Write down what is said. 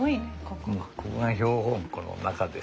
ここが標本庫の中です。